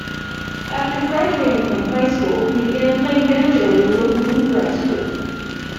After graduating from high school, he began playing banjo with a local bluegrass group.